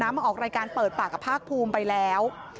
มาออกรายการเปิดปากกับภาคภูมิไปแล้ว